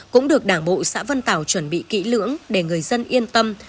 cũng được đảng bộ xã vân tảo chuẩn bị kỹ lưỡng để người dân yên tâm